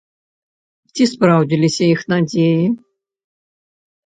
Ці спраўдзіліся іх надзеі?